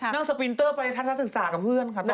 นั่งสปินเตอร์ไปทันสักศึกษากับเพื่อนเลยครับ